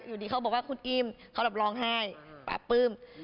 อยู่ดีเขาบอกว่าคุณอิมเขาแบบร้องไห้ปราบปลื้ม